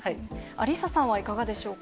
アリッサさんはいかがでしょうか。